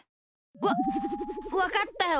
わっわかったよ。